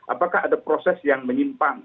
apakah ada proses yang menyimpang